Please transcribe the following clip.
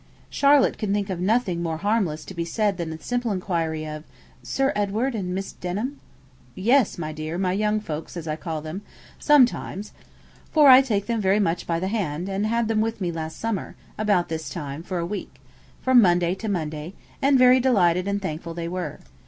Charlotte could think of nothing more harmless to be said than the simple enquiry of, 'Sir Edward and Miss Denham?' 'Yes, my dear; my young folks, as I call them, sometimes: for I take them very much by the hand, and had them with me last summer, about this time, for a week from Monday to Monday and very delighted and thankful they were.